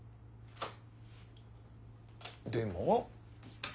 「でも」？